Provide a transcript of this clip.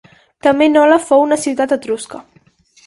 També Nola fou una ciutat etrusca.